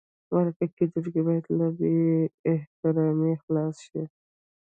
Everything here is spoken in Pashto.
مرکه کېدونکی باید له بې احترامۍ خلاص شي.